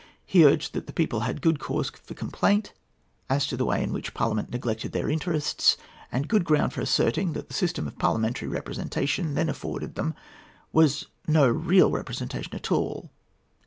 He urged that the people had good cause for complaint as to the way in which Parliament neglected their interests, and good ground for asserting that the system of parliamentary representation then afforded them was no real representation at all.